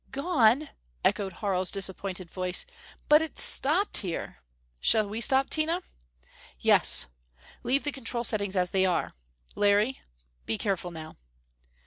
"Gone!" echoed Harl's disappointed voice. "But it stopped here!... Shall we stop, Tina?" "Yes! Leave the control settings as they are. Larry be careful, now."